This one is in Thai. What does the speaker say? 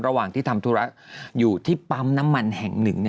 ระหว่างที่ทำธุระอยู่ที่ปั๊มน้ำมันแห่งหนึ่ง